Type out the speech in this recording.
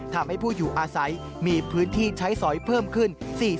ทำให้ผู้อยู่อาศัยมีพื้นที่ใช้สอยเพิ่มขึ้น